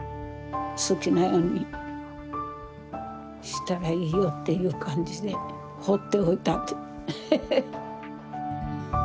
好きなようにしたらいいよっていう感じでほっておいたんで。へへっ。